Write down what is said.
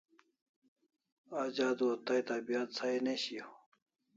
Aj adua tai tabiat Sahi ne shiau